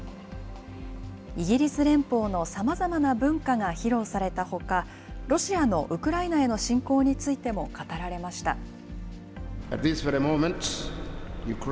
イギリス連邦のさまざまな文化が披露されたほか、ロシアのウクライナへの侵攻についても語られました。